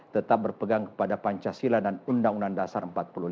tetap berpegang kepada pancasila dan undang undang dasar empat puluh lima